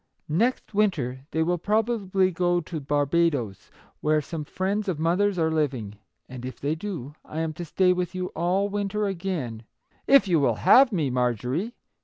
Next winter they will probably go to Barba does, where some friends of mother's are living ; and if they do, I am to stay with you all winter again, — if you will have me, Mar jorie